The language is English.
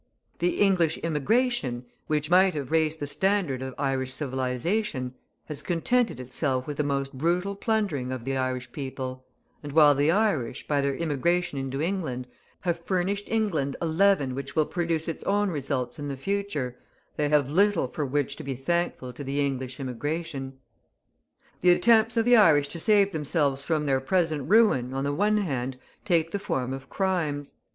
The English immigration, which might have raised the standard of Irish civilisation, has contented itself with the most brutal plundering of the Irish people; and while the Irish, by their immigration into England, have furnished England a leaven which will produce its own results in the future, they have little for which to be thankful to the English immigration. The attempts of the Irish to save themselves from their present ruin, on the one hand, take the form of crimes.